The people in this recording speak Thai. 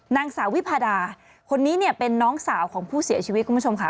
นางสาววิพาดาคนนี้เนี่ยเป็นน้องสาวของผู้เสียชีวิตคุณผู้ชมค่ะ